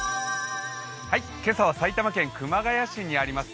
今朝は埼玉県熊谷市にあります